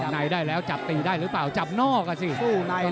น้วนตาย